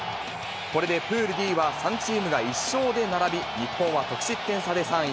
これでプールＤは３チームが１勝で並び、日本は得失点差で３位。